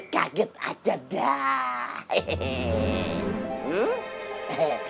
kaget aja dah